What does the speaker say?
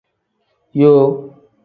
Yoo.